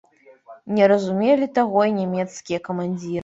Не разумелі таго і нямецкія камандзіры.